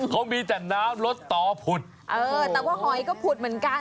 เขามีแต่น้ำรสต่อผุดเออแต่ว่าหอยก็ผุดเหมือนกัน